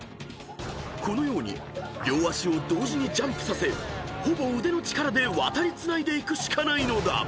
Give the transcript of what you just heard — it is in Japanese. ［このように両足を同時にジャンプさせほぼ腕の力で渡りつないでいくしかないのだ］